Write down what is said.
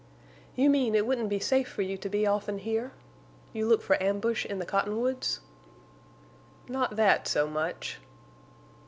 "You mean it wouldn't be safe for you to be often here? You look for ambush in the cottonwoods?" "Not that so much."